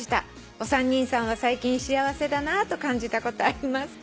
「お三人さんは最近幸せだなと感じたことありますか？」